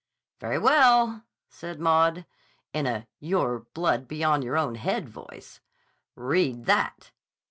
"Very well," said Maud in a your blood be on your own head voice. "Read that."